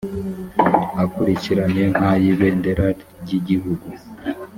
akurikiranye nk ay ibendera ry igihugu